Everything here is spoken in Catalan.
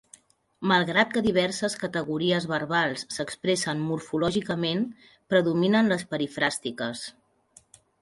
Malgrat que diverses categories verbals s'expressen morfològicament predominen les perifràstiques.